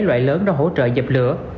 loại lớn đó hỗ trợ dập lửa